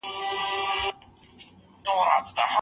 کروندګرو ته د کښت لپاره تخمونه ورکړئ.